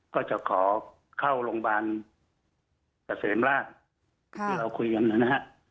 ก็จะขอเข้าโรงพยาบาลสามารถค่ะคุยกันนะฮะ